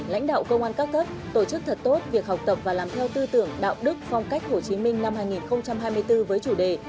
lãnh đạo công an các cấp tổ chức thật tốt việc học tập và làm theo tư tưởng đạo đức phong cách hồ chí minh năm hai nghìn hai mươi bốn với chủ đề